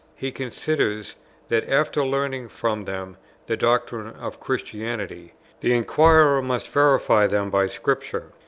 He considers, that, after learning from them the doctrines of Christianity, the inquirer must verify them by Scripture.